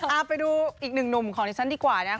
เออไปดูอีกหนึ่งหนุ่มของชั้นดีกว่านะครับ